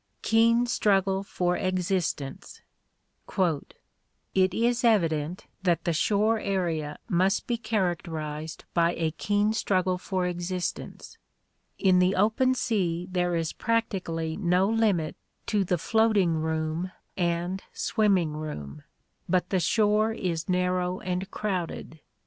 Keen Struggle for Existence. — "It is evident that the shore area must be characterized by a keen struggle for existence. In the open sea there is practically no limit to the floating room and swimming room, but the shore is narrow and crowded.